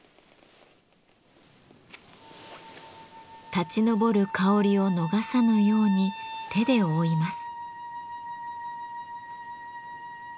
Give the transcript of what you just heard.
立ち上る香りを逃さぬように手で覆います。